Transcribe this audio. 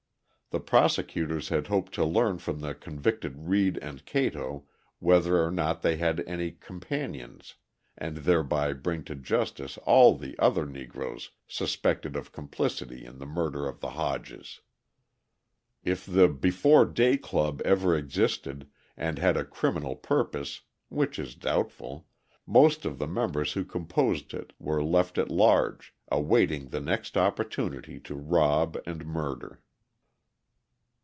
The prosecutors had hoped to learn from the convicted Reed and Cato whether or not they had any companions and thereby bring to justice all the other Negroes suspected of complicity in the murder of the Hodges. If the Before Day Club ever existed and had a criminal purpose (which is doubtful) most of the members who composed it were left at large, awaiting the next opportunity to rob and murder.